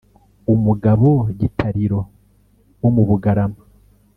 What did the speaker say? umugabo gitariro wo mu bugarama